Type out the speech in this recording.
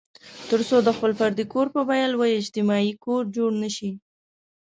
تر څو د خپل فردي کور په بیه لوی اجتماعي کور جوړ نه شي.